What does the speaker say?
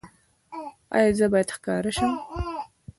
ایا زه باید ښکاره شم؟